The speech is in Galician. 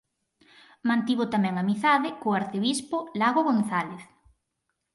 Mantivo tamén amizade co arcebispo Lago González.